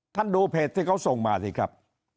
ดูเพจที่เขาส่งมาสิครับ